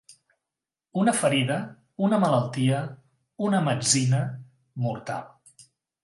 Una ferida, una malaltia, una metzina, mortal.